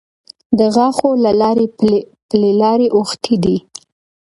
د غاښو له لارې پلې لارې اوښتې دي.